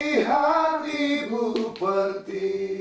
pilihan ibu pertiwi